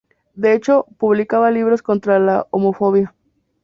De hecho, publicaba libros contra la homofobia.